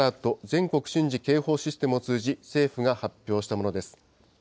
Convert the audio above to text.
・全国瞬時警報システムを通じ、政府が発表したものです。